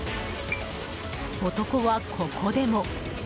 男は、ここでも。